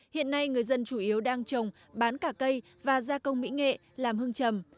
hiện nay người dân chủ yếu đang trồng bán cả cây và gia công mỹ nghệ làm hương trầm